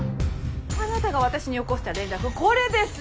あなたが私によこした連絡これです！